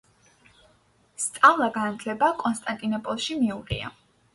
სწავლა-განათლება კონსტანტინოპოლში მიუღია.